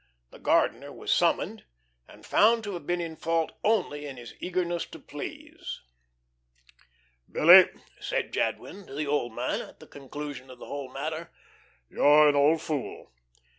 The gardener was summoned and found to have been in fault only in his eagerness to please. "Billy," said Jadwin, to the old man at the conclusion of the whole matter, "you're an old fool."